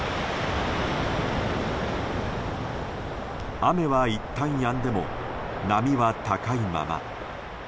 雨はいったんやんでも波は高いまま。